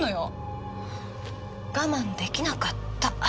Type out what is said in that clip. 我慢できなかった。